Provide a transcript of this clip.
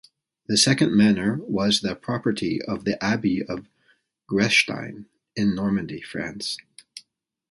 The second manor was the property of the abbey of Grestein in Normandy, France.